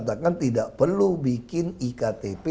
tidak perlu bikin iktp